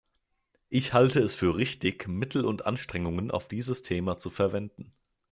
Ich halte es für richtig, Mittel und Anstrengungen auf dieses Thema zu verwenden.